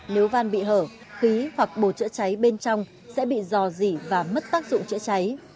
nếu van bị hở khí hoặc bồ chữa cháy bên trong sẽ bị dò dỉ và mất tác dụng chữa cháy